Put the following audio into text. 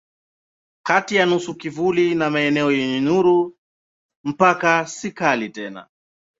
Kati ya nusu kivuli na maeneo yenye nuru mpaka si kali tena.